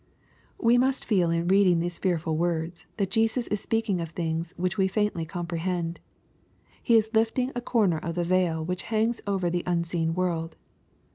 We must feel in reading these fearful words, that Jesus is speaking of things which we faintly comprehend. He is lifting a corner of the veil which hangs over the unseen world.